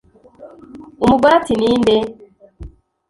Umugore ati ni nde